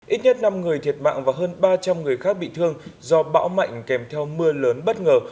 ít nhất năm người thiệt mạng và hơn ba trăm linh người khác bị thương do bão mạnh kèm theo mưa lớn bất ngờ